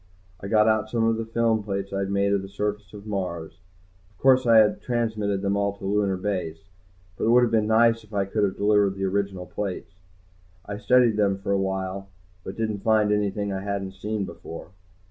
I got out some of the film plates I'd made of the surface of Mars. Of course I had transmitted them all to Lunar Base, but it would have been nice if I could have delivered the original plates. I studied them for a while but didn't find anything I hadn't seen before.